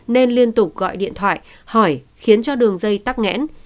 nên liên tục gọi điện thoại hỏi khiến cho đường dây tắc nghẽn